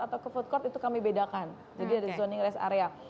atau ke food court itu kami bedakan jadi ada zoning rest area